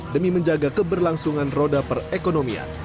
demi menjaga keberlangsungan roda perekonomian